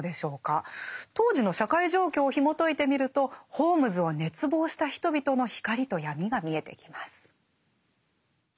当時の社会状況をひもといてみるとホームズを熱望した人々の光と闇が見えてきます。